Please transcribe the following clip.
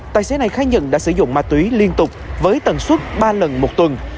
tài xế này khai nhận đã sử dụng ma túy liên tục với tần suất ba lần một tuần